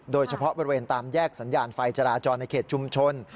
โดยเฉพาะบริเวณตามแยกสัญญาณไฟจราจรในเขตชุมชน